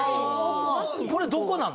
これどこなの？